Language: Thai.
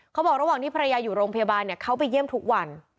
ระหว่างที่ภรรยาอยู่โรงพยาบาลเขาไปเยี่ยมทุกวัน